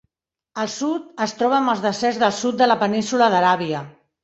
Al sud, es troba amb els deserts del sud de la península d'Aràbia.